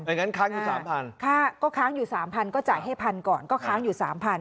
งั้นค้างอยู่๓๐๐ค่าก็ค้างอยู่๓๐๐ก็จ่ายให้พันก่อนก็ค้างอยู่๓๐๐